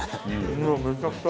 もうめちゃくちゃ。